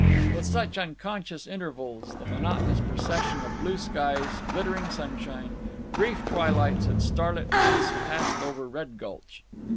With such unconscious intervals the monotonous procession of blue skies, glittering sunshine, brief twilights, and starlit nights passed over Red Gulch.